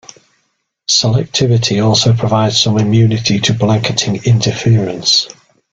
Selectivity also provides some immunity to blanketing interference.